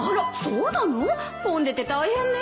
混んでて大変ね